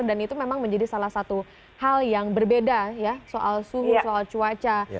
dan itu memang menjadi salah satu hal yang berbeda soal suhu soal cuaca